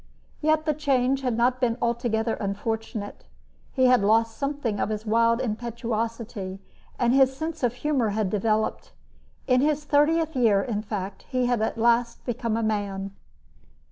Yet the change had not been altogether unfortunate. He had lost something of his wild impetuosity, and his sense of humor had developed. In his thirtieth year, in fact, he had at last become a man.